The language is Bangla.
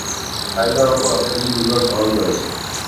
সাইবার অপরাধের বিভিন্ন ধরন রয়েছে।